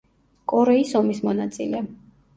კორეის ომის მონაწილე.